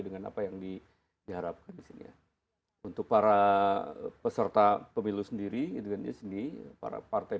dengan apa yang diharapkan disini ya untuk para peserta pemilu sendiri itu sendiri para partai